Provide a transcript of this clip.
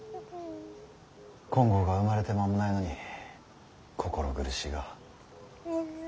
金剛が生まれて間もないのに心苦しいが。